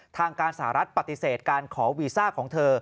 ทางการสหรัฐปฏิเสธการขอวีซ่าของเธอ